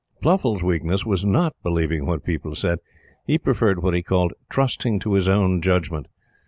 Pluffles' weakness was not believing what people said. He preferred what he called "trusting to his own judgment."